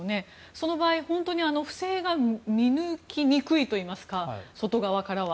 その場合不正が見抜きにくいといいますか外側からは。